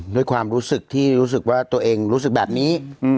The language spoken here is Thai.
ด้วยความรู้สึกที่รู้สึกว่าตัวเองรู้สึกแบบนี้